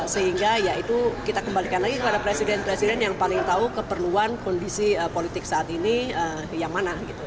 sehingga ya itu kita kembalikan lagi kepada presiden presiden yang paling tahu keperluan kondisi politik saat ini yang mana gitu